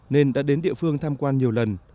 nên đã đến địa phương thăm quan nhiều lần